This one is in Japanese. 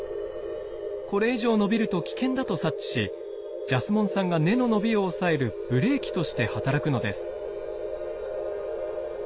これ以上伸びると危険だと察知しジャスモン酸が根の伸びを抑えるブレーキとして働くのです。